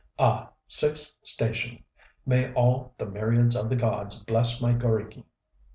Ah! sixth station! may all the myriads of the gods bless my g┼Źriki!